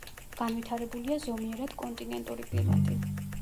განვითარებულია ზომიერად კონტინენტური კლიმატი.